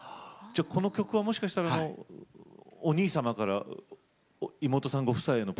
じゃあこの曲はもしかしたらお兄様から妹さんご夫妻へのプレゼントのような？